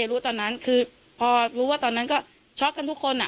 รู้ตอนนั้นคือพอรู้ว่าตอนนั้นก็ช็อกกันทุกคน